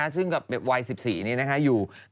ซึ่งกับวัย๑๔นี้อยู่